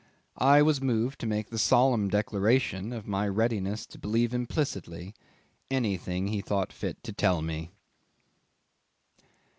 I was moved to make a solemn declaration of my readiness to believe implicitly anything he thought fit to tell me.